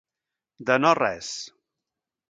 De no res.